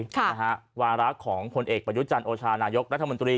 ค่ะนะฮะวารักษ์ของคนเอกประยุจรรย์โอชานายกรัฐมนตรี